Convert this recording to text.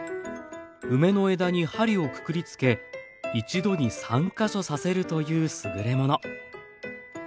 梅の枝に針をくくりつけ一度に３か所刺せるというすぐれもの。